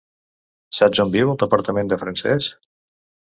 Saps on viu el departament de francès?